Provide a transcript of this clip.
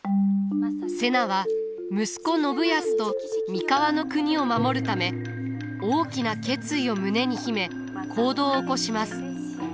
瀬名は息子信康と三河国を守るため大きな決意を胸に秘め行動を起こします。